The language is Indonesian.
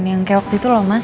yang kayak waktu itu loh mas